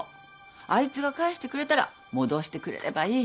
あいつが返してくれたら戻してくれればいい。